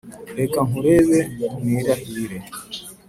Reka nkurebe nirahire